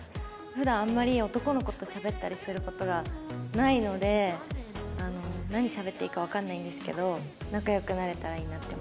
普段あんまり男の子としゃべったりする事がないので何しゃべっていいかわからないんですけど仲良くなれたらいいなと思います。